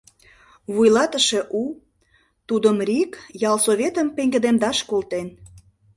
Вуйлатыше у, тудым РИК ялсоветым пеҥгыдемдаш колтен.